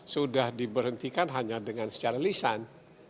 sudah diberhentikan hanya dengan secara lisan